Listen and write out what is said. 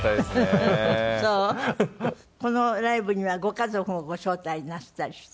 このライブにはご家族もご招待なすったりして？